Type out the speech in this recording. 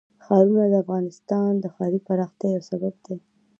ښارونه د افغانستان د ښاري پراختیا یو سبب دی.